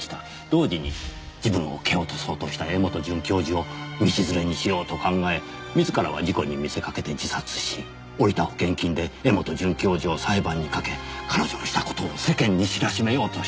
同時に自分を蹴落とそうとした柄本准教授を道連れにしようと考え自らは事故に見せかけて自殺し下りた保険金で柄本准教授を裁判にかけ彼女のした事を世間に知らしめようとした。